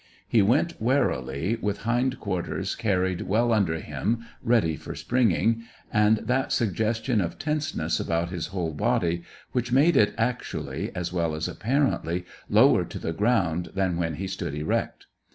He went warily, with hind quarters carried well under him ready for springing, and that suggestion of tenseness about his whole body which made it actually, as well as apparently, lower to the ground than when he stood erect.